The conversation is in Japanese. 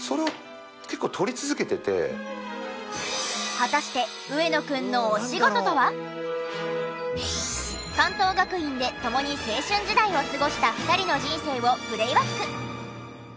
果たして関東学院で共に青春時代を過ごした２人の人生をプレイバック。